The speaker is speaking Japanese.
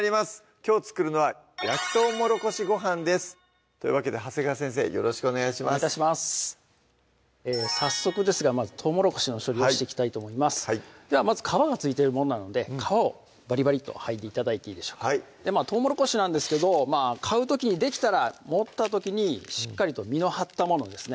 きょう作るのは「焼きとうもろこしご飯」ですというわけで長谷川先生よろしくお願いします早速ですがまずとうもろこしの処理をしていきたいと思いますではまず皮が付いてるものなので皮をバリバリッと剥いで頂いていいでしょうかとうもろこしなんですけど買う時にできたら持った時にしっかりと実の張ったものですね